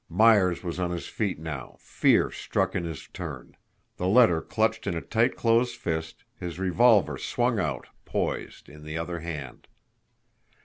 Myers was on his feet now, fear struck in his turn, the letter clutched in a tight closed fist, his revolver swung out, poised, in the other hand.